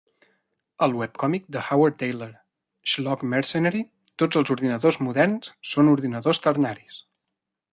Al webcòmic de Howard Tayler "Schlock Mercenary", tots els ordinadors moderns són ordinadors ternaris.